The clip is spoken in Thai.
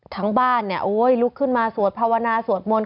ทั้งบ้านเนี่ยโอ้ยลุกขึ้นมาสวดภาวนาสวดมนต์